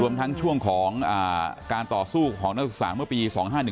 ทั้งช่วงของการต่อสู้ของนักศึกษาเมื่อปี๒๕๑